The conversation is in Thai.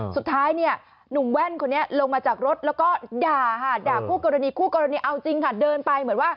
สุดท้ายเนี่ยหนุ่มแว่นคนนี้ลงมาจากรถแล้วก็ด่าค่ะด่าคู่กรณีคู่กรณีเอาจริงค่ะเดินไปเหมือนว่า